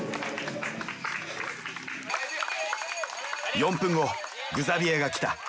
４分後グザビエが来た。